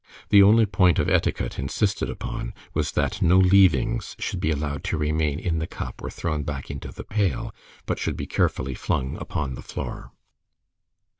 The only point of etiquette insisted upon was that no "leavings" should be allowed to remain in the cup or thrown back into the pail, but should be carefully flung upon the floor.